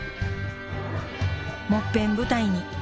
もっぺん舞台に。